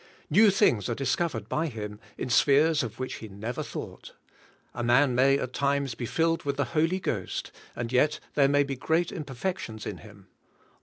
New things are discovered by him in spheres of which he never thought. A man may at times be filled with the Holy Ghost, and yet there may be great imperfections in him.